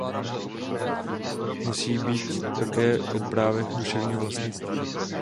Musí být také o právech duševního vlastnictví.